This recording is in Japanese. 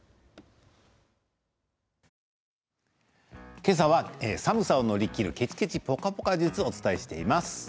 今朝は寒さを乗り切るケチケチぽかぽか術をお伝えしています。